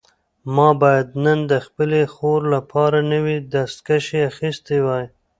ما باید نن د خپلې خور لپاره نوي دستکشې اخیستې وای.